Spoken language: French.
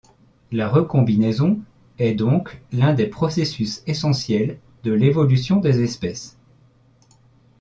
La recombinaison est donc l'un des processus essentiels de l'évolution des espèces.